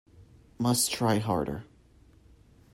Must try harder.